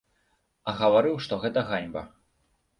А гаварыў, што гэта ганьба.